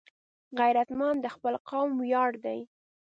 غیرتمند د خپل قوم ویاړ دی